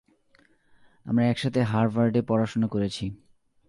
আমরা একসাথে হার্ভার্ডে পড়াশোনা করেছি।